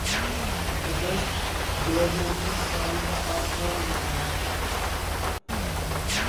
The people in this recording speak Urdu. اگست گریگورین سال کا آٹھواں مہینہ ہے